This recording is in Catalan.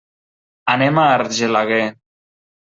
Anem a Argelaguer.